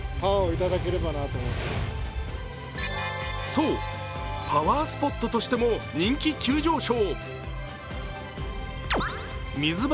そう、パワースポットとしても人気急上昇。